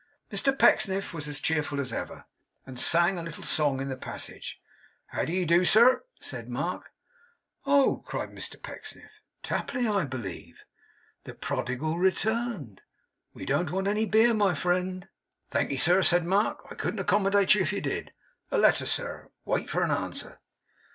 Mr Pecksniff was as cheerful as ever, and sang a little song in the passage. 'How d'ye do, sir?' said Mark. 'Oh!' cried Mr Pecksniff. 'Tapley, I believe? The Prodigal returned! We don't want any beer, my friend.' 'Thankee, sir,' said Mark. 'I couldn't accommodate you if you did. A letter, sir. Wait for an answer.